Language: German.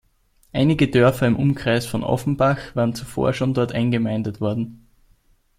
Einige Dörfer im Umkreis von Offenbach waren zuvor schon dort eingemeindet worden.